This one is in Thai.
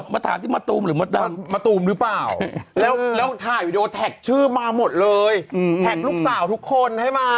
มานี่มึงเขาบอกเหมือนเค้าอยู่ดีลงไปนอน